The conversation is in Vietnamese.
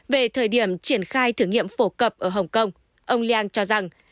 về thời điểm triển khai thử nghiệm phổ cập ở hồng kông ông leang cho rằng